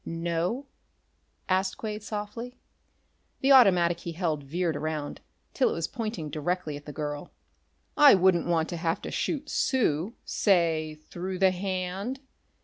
"No?" asked Quade softly. The automatic he held veered around, till it was pointing directly at the girl. "I wouldn't want to have to shoot Sue say through the hand...."